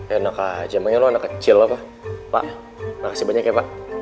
enak aja makanya lo anak kecil pak pak makasih banyak ya pak